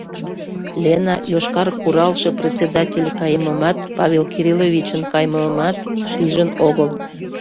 Лена «Йошкар куралше» председатель кайымымат, Павел Кирилловичын кайымымат шижын огыл.